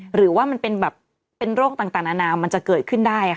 หรือว่ามันเป็นโรคต่างอานามมันจะเกิดขึ้นได้